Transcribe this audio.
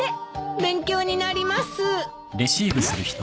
勉強になります。